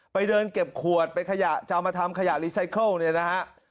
ไปเดินเก็บขวดไปขยะจะเอามาทำขยะเนี่ยนะฮะ